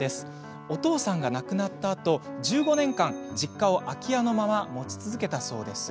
お父さんが亡くなったあと１５年間、実家を空き家のまま持ち続けたそうです。